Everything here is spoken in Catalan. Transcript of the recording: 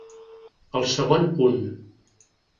El segon punt.